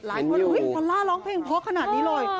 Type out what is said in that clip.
เฮ้ยทอลล่าร้องเพลงเพราะขนาดนี้เลย